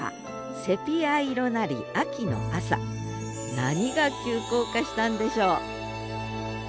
何が急降下したんでしょう？